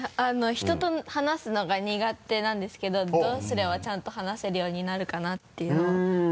人と話すのが苦手なんですけどどうすればちゃんと話せるようになるかなっていうのを。